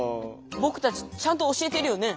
ぼくたちちゃんと教えてるよね。